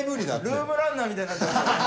ルームランナーみたいになってますよ。